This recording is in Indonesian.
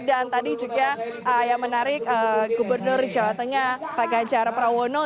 dan tadi juga yang menarik gubernur jawa tengah pak ganjar prawono